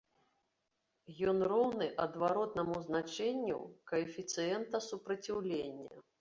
Ён роўны адваротнаму значэнню каэфіцыента супраціўлення.